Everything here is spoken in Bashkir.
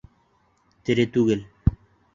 Тере түгел.